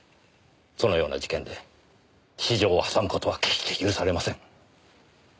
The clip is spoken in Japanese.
そのような事件で私情を挟む事は決して許されません。